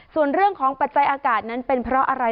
ส่วนเรื่องของปัจจัยอากาศนั้นเป็นเพราะอะไร